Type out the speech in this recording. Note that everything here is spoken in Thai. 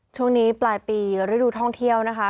ช่วงนี้ปลายปีฤดูท่องเที่ยวนะคะ